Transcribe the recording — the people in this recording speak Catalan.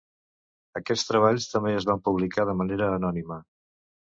Aquests treballs també es van publicar de manera anònima.